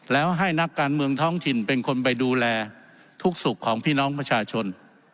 แล้วให้นักการเมืองท้องถิ่นเป็นคนไปดูแลทุกสุขของพี่น้องประชาชน